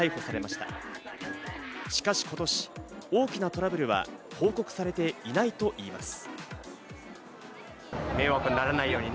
しかし今年、大きなトラブルは報告されていないと言います。